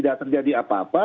tidak terjadi apa apa